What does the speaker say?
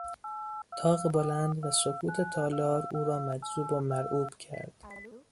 تاق بلند و سکوت تالار او را مجذوب و مرعوب کرد.